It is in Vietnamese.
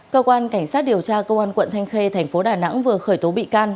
cơ quan cảnh sát điều tra công an quận thanh khê thành phố đà nẵng vừa khởi tố bị can